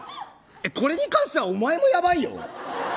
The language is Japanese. これに関してはお前もやばいよ。